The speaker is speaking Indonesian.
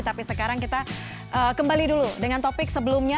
tapi sekarang kita kembali dulu dengan topik sebelumnya